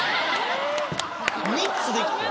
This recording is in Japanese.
３つできてん。